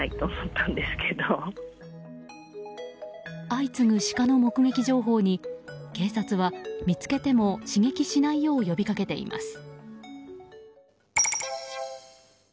相次ぐシカの目撃情報に警察は見つけても刺激しないよう呼びかけています。